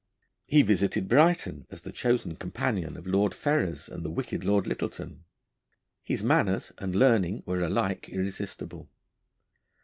He visited Brighton as the chosen companion of Lord Ferrers and the wicked Lord Lyttelton. His manners and learning were alike irresistible.